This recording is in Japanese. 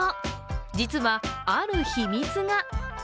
実は、ある秘密が。